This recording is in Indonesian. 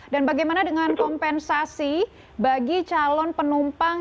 dan bagaimana dengan kompensasi bagi calon penumpang